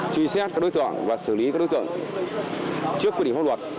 truy xét các đối tượng và xử lý các đối tượng trước quy định pháp luật